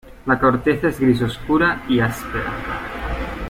La corteza es gris oscura y áspera.